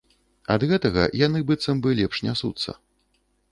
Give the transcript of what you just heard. Ад гэтага яны быццам бы лепш нясуцца.